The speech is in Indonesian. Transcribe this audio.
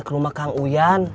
ke rumah kang uyan